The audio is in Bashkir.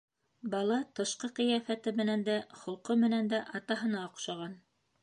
Бала тышҡы ҡиәфәте менән дә, холҡо менән дә атаһына оҡшаған.